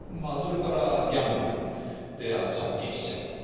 それからギャンブルで借金しちゃう。